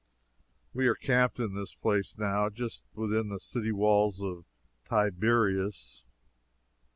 We are camped in this place, now, just within the city walls of Tiberias.